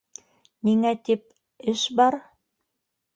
Ниңә тип... эш бар...